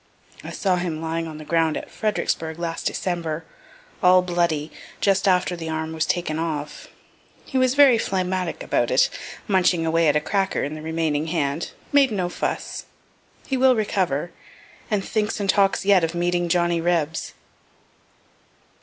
(I saw him lying on the ground at Fredericksburgh last December, all bloody, just after the arm was taken off. He was very phlegmatic about it, munching away at a cracker in the remaining hand made no fuss.) He will recover, and thinks and talks yet of meeting Johnny Rebs.